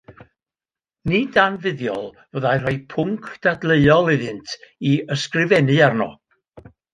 Nid anfuddiol fyddai rhoi pwnc dadleuol iddynt i ysgrifennu arno.